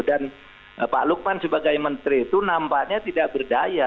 dan pak lukman sebagai menteri itu nampaknya tidak berdaya